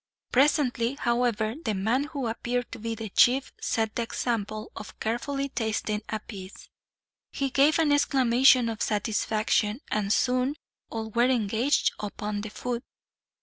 Presently, however, the man who appeared to be the chief set the example of carefully tasting a piece. He gave an exclamation of satisfaction, and soon all were engaged upon the food.